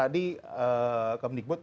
yang kalau kita tadi kak menikmati